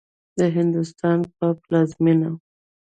د هندوستان په پلازمېنه